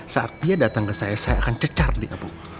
saat dia datang ke saya saya akan cecar dia bu